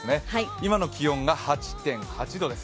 今の気温が８．８度です。